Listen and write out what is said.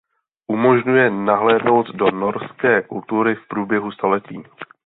Umožňuje nahlédnout do norské kultury v průběhu staletí.